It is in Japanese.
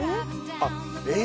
あっえっ！？